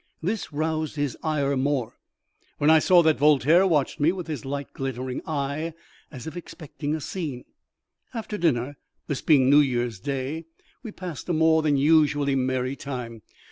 This roused his ire more, while I saw that Voltaire watched me with his light glittering eye, as if expecting a scene. After dinner, this being New Year's Day, we passed a more than usually merry time.